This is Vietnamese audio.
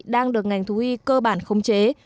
đang được ngành thú y cơ bản khống chế